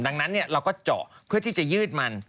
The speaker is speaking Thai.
ดังนั้นเราก็เจาะเพื่อที่จะยืดมัน